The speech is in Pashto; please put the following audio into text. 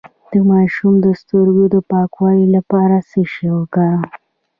د ماشوم د سترګو د پاکوالي لپاره څه شی وکاروم؟